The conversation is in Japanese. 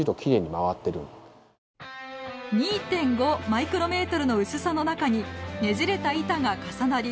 ２．５マイクロメートルの薄さの中にねじれた板が重なり